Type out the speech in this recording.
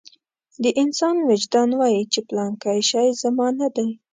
د انسان وجدان وايي چې پلانکی شی زما نه دی.